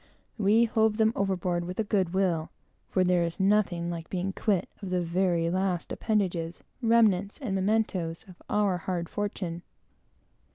We hove them overboard with a good will; for there is nothing like being quit of the very last appendages and remnants of our evil fortune.